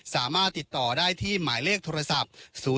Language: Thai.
สามารถติดต่อได้ที่หมายเลขโทรศัพท์